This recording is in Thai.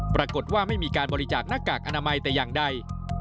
ปรากฏว่าไม่มีการบริจาคหน้ากากอนามัยแต่อย่างใด